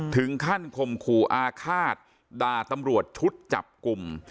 ถึงขั้นข่มขู่อาฆาตด่าตำรวจชุดจับกลุ่ม